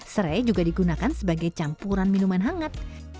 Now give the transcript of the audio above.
serai juga digunakan sebagai campuran minuman hangat